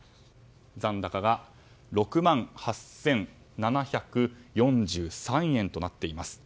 残高が６万８７４３円となっています。